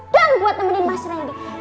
dan buat nemenin mas randy